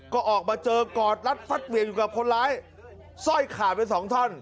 ก็ออกมาเจอกอดรัดฟัดเวียงอยู่กับคนร้ายสร้อยขาดไปสองท่อน